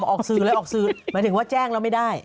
ออกสื่อเลยออกสื่อหมายถึงว่าแจ้งแล้วไม่ได้